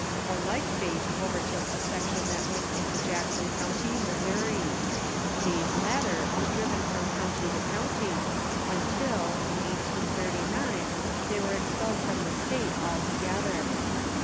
A like fate over took a section that went into Jackson County, Missouri. These latter were driven from county to county, until, in 1839, they were expelled from the state altogether.